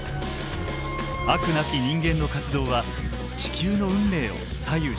飽くなき人間の活動は地球の運命を左右し始めています。